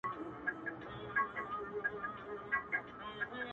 د دستار سرونه یو نه سو را پاته!!